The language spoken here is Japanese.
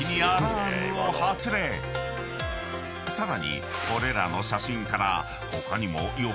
［さらにこれらの写真から］